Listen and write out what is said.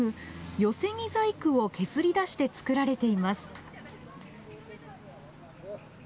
寄木細工を削り出して作られています。